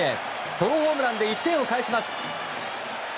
ソロホームランで１点を返します。